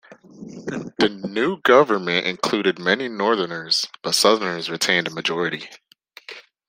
The new government included many northerners, but southerners retained a majority.